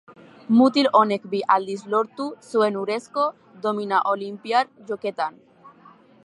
Mutil honek bi aldiz lortu zuen urrezko domina olinpiar jokoeetan.